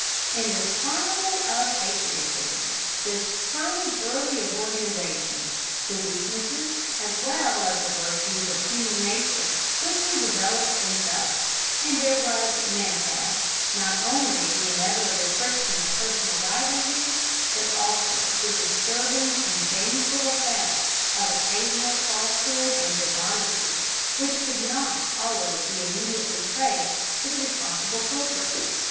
In this carnival of patriotism, this hurly burly of organization, the weaknesses as well as the virtues of human nature quickly developed themselves, and there was manifest not only the inevitable friction of personal rivalry, but also the disturbing and baneful effects of occasional falsehood and dishonesty, which could not always be immediately traced to the responsible culprit.